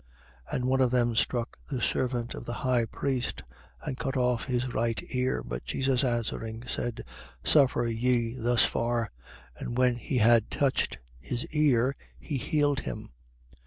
22:50. And one of them struck the servant of the high priest and cut off his right ear. 22:51. But Jesus answering, said: Suffer ye thus far. And when he had touched his ear, he healed him.